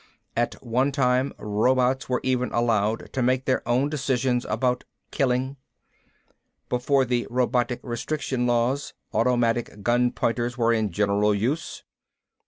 At one time robots were even allowed to make their own decisions about killing. Before the Robotic Restriction Laws automatic gun pointers were in general use.